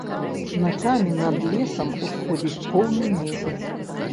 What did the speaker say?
Начамі над лесам усходзіць поўны месяц.